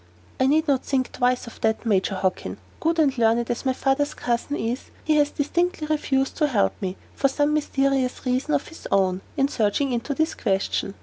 "I need not think twice of that, Major Hockin. Good and learned as my father's cousin is, he has distinctly refused to help me, for some mysterious reason of his own, in searching into this question.